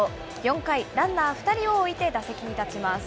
４回、ランナー２人を置いて打席に立ちます。